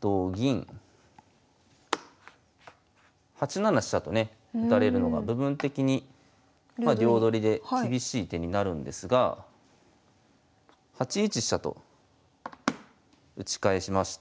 同銀８七飛車とね打たれるのが部分的にまあ両取りで厳しい手になるんですが８一飛車と打ち返しまして。